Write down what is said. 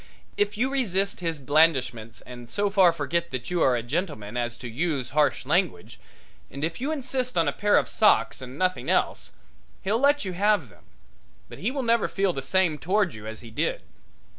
If you resist his blandishments and so far forget that you are a gentleman as to use harsh language, and if you insist on a pair of socks and nothing else, he'll let you have them, but he will never feel the same toward you as he did.